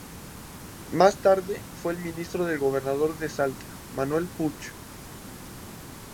Más tarde fue ministro del gobernador de Salta, Manuel Puch.